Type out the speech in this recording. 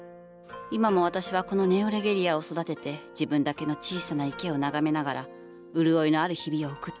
今も私はこのネオレゲリアを育てて自分だけの小さな池を眺めながら潤いのある日々を送ってるの。